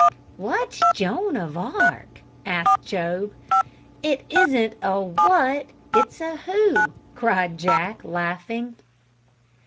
"What's Joan of Arc?" asked Job. "It isn't a what it's a who," cried Jack, laughing.